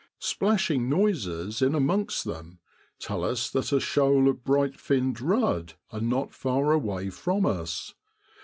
Splashing noises in amongst them tell us that a shoal of bright finned rudd are not far away from us.